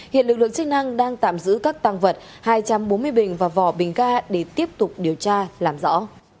hiện lực lượng chức năng đang tạm giữ các tăng vật hai trăm bốn mươi bình và vỏ bình ga để tiếp tục điều tra làm rõ